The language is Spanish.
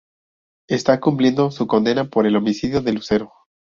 Está cumpliendo su condena por el homicidio de Lucero.